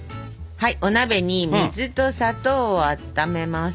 はいお鍋に水と砂糖をあっためます。